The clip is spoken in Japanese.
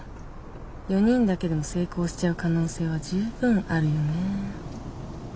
４人だけでも成功しちゃう可能性は十分あるよね。